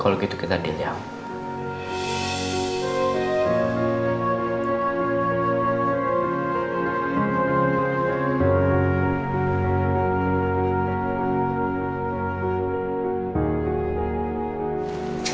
kalau gitu kita dinyal